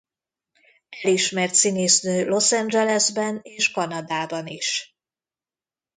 Elismert színésznő Los Angelesben és Kanadában is.